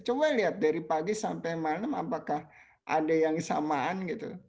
coba lihat dari pagi sampai malam apakah ada yang samaan gitu